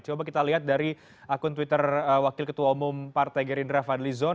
coba kita lihat dari akun twitter wakil ketua umum partai gerindra fadli zon